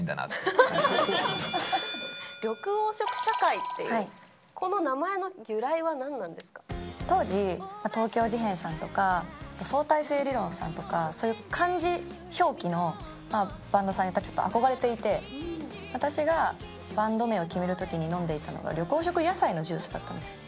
緑黄色社会っていう、この名当時、東京事変さんとか、相対性理論さんとか、そういう漢字表記のバンドさんに憧れていて、私がバンド名を決めるときに飲んでいたのが、緑黄色野菜のジュースだったんですよ。